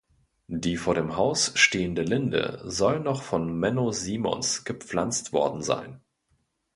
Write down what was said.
Die vor dem Haus stehende Linde soll noch von Menno Simons gepflanzt worden sein.